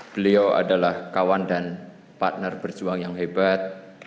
beliau adalah kawan dan partner berjuang yang hebat